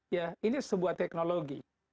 ya ini sebuah teknologi